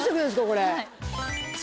これ。